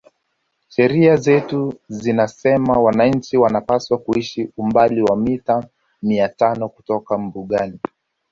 Sheria zetu zinasema wananchi wanapaswa kuishi umbali wa mita mia tano kutoka mbugani